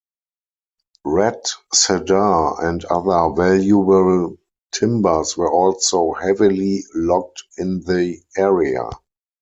Red cedar and other valuable timbers were also heavily logged in the area.